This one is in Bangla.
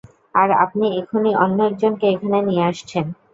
আর আপনি এখনই অন্য একজনকে এখানে নিয়ে আসছেন।